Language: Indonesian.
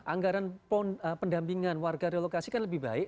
anggaran pendampingan warga relokasi kan lebih baik